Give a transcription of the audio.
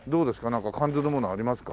なんか感ずるものありますか？